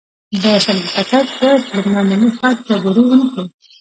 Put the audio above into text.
با سلیقه کس باید له معمولي خلکو سره ډوډۍ ونه خوري.